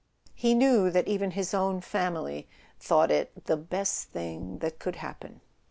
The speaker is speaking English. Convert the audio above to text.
He knew that even his own family thought it "the best thing that could happen."